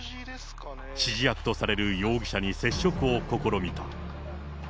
指示役とされる容疑者に接触を試みた。